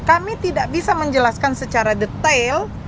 kami tidak bisa menjelaskan secara detail